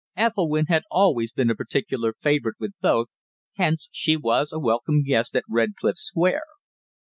Ethelwynn had always been a particular favourite with both, hence she was a welcome guest at Redcliffe Square.